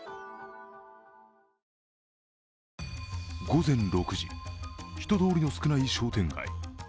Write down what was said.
午前６時、人通りの少ない商店街。